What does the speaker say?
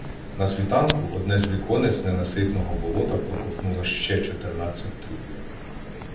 На світанку одне з віконець ненаситного болота проковтнуло ще чотирнадцять трупів.